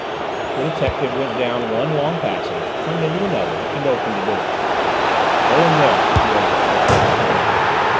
The detective went down one long passage, turned into another, and opened a door. "Go in there," he ordered curtly.